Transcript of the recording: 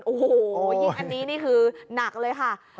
โอ้โหยิ่งอันนี้นี่คือหนักเลยค่ะ